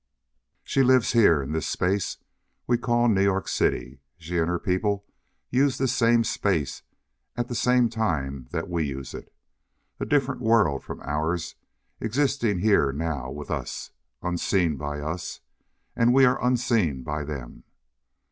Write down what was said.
"She lives here, in this Space we call New York City. She and her people use this same Space at the same time that we use it. A different world from ours, existing here now with us! Unseen by us. And we are unseen by them!